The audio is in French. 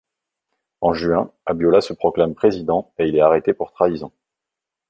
En juin, Abiola se proclame président et il est arrêté pour trahison.